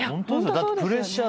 だってプレッシャー。